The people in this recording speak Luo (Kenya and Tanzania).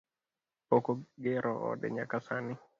Pok ogero ode nyaka sani